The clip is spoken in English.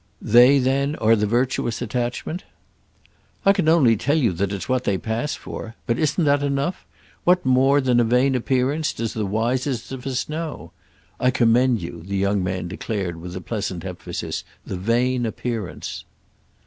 "They then are the virtuous attachment?" "I can only tell you that it's what they pass for. But isn't that enough? What more than a vain appearance does the wisest of us know? I commend you," the young man declared with a pleasant emphasis, "the vain appearance."